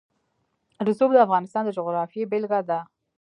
رسوب د افغانستان د جغرافیې بېلګه ده.